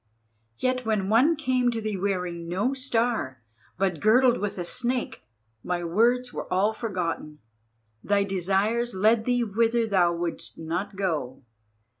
Yet when one came to thee wearing no Star but girdled with a Snake, my words were all forgotten, thy desires led thee whither thou wouldst not go.